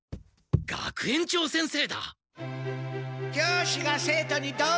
学園長先生